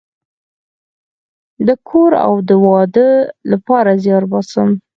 د کور او د واده لپاره زیار باسم